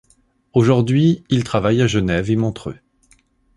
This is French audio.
Aujourd'hui, il travaille à Genève et Montreux.